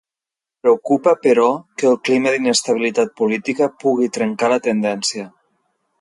Preocupa però, que el clima d'inestabilitat política pugui trencar la tendència.